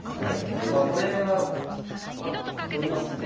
でまあこれは取りますよね。